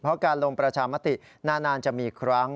เพราะการลงประชามตินานจะมีครั้ง